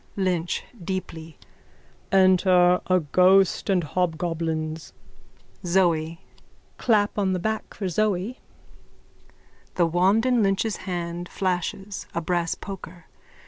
LYNCH: (Deeply.) Enter a ghost and hobgoblins. ZOE: Clap on the back for Zoe. _(The wand in Lynch's hand flashes: a brass poker.